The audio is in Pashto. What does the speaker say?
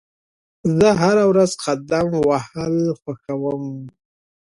زه هره ورځ قدم وهل خوښوم.